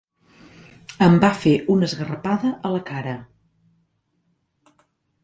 Em va fer una esgarrapada a la cara.